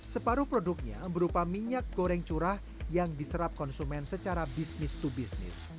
separuh produknya berupa minyak goreng curah yang diserap konsumen secara bisnis to bisnis